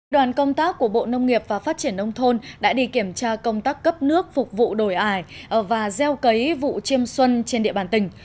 đoàn công tác của bộ nông nghiệp và phát triển nông thôn đã đi kiểm tra công tác cấp nước phục vụ đổi ải và gieo cấy vụ chiêm xuân trên địa bàn tỉnh